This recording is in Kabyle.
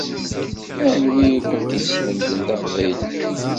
Anwi i kent-yeslemden taqbaylit?